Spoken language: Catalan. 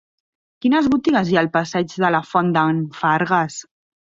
Quines botigues hi ha al passeig de la Font d'en Fargues?